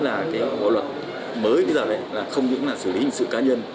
là cái bộ luật mới bây giờ là không những là xử lý hình sự cá nhân